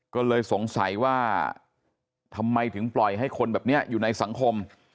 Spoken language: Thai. ก็เลยสงสัยว่าทำไมถึงปล่อยให้คนแบบนี้อยู่ในสังคม